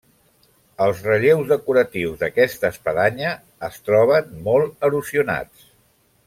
Els relleus decoratius d'aquesta espadanya es troben molt erosionats.